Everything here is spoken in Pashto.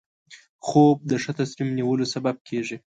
خوب د ښه تصمیم نیولو سبب کېږي